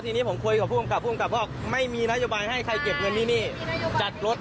ทำไมผมไม่มีสิทธิ์เหรอ